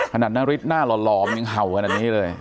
ขนาดน่าริดหน้าหลอมยังเห่าขนาดนี้เลย